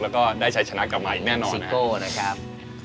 แล้วก็ได้ชัยชนะกลับมาอีกแน่นอนนะครับ